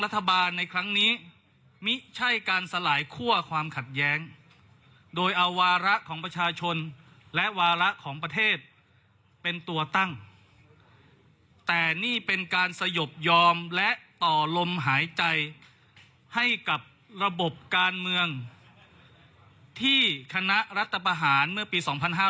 ที่คณะรัฐประหารเมื่อปี๒๕๕๗